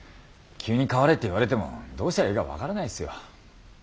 急に変われって言われてもどうしたらいいか分からないですよ。